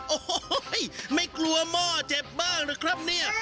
โอ้โหไม่กลัวหม้อเจ็บบ้างหรือครับเนี่ย